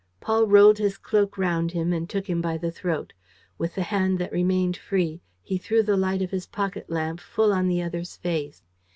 Paul rolled his cloak round him and took him by the throat. With the hand that remained free, he threw the light of his pocket lamp full on the other's face.